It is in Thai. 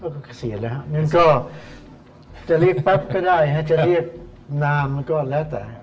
ก็กระเศียรแล้วนึงก็จะเรียกแป๊บก็ได้นะจะเรียกนามก็แล้วแต่